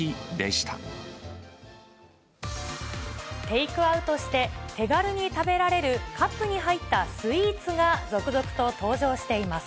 テイクアウトして、手軽に食べられる、カップに入ったスイーツが続々と登場しています。